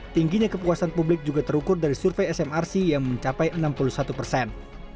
tingginya kepuasan publik juga terukur dari survei smrc yang mencapai enam puluh satu persen